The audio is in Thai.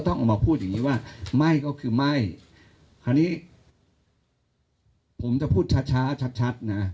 แนนพี่น้องมีแต่ดีเหรอ